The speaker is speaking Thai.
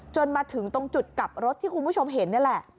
มาถึงตรงจุดกลับรถที่คุณผู้ชมเห็นนี่แหละ